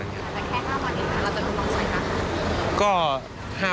แต่แค่๕วันอีกแล้วเราจะทดลองใช้ครับ